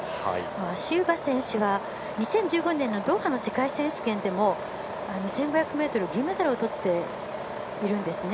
シウバ選手は２０１５年のドーハの世界選手権でも１５００ｍ銀メダルをとっているんですね。